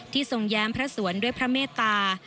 ที่ทรงแย้มพระสวรรค์ด้วยพระเมตตา